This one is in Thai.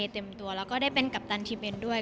เต็มตัวแล้วก็ได้เป็นกัปตันทีเบนด้วย